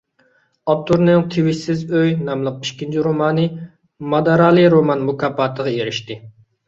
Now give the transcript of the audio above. ئاپتورنىڭ «تىۋىشسىز ئۆي» ناملىق ئىككىنچى رومانى «مادارالى رومان مۇكاپاتى»غا ئېرىشتى.